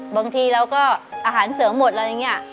บางทีเราก็อาหารเสริมหมดอะไรอย่างนี้